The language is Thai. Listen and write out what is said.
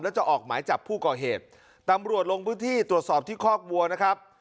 แล้วจะออกหมายจับผู้ก่อเหตุตำรวจลงพื้นที่ตรวจสอบที่คอกวัวนะครับ